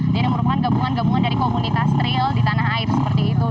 jadi merupakan gabungan gabungan dari komunitas trail di tanah air seperti itu